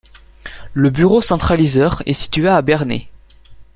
Le bureau centralisateur est situé à Bernay.